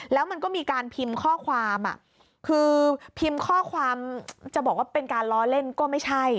แล้วมันก็มีการพิมพ์ข้อความคือพิมพ์ข้อความจะบอกว่าเป็นการล้อเล่นก็ไม่ใช่